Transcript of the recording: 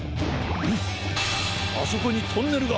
むっあそこにトンネルが！